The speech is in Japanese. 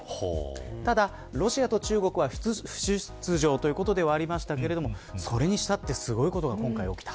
ただ、ロシアと中国は不出場ということではありましたけれどもそれにしたってすごいことが今回起きた。